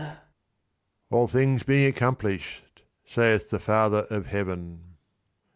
All things being accomplished, saith the Father of Heaven.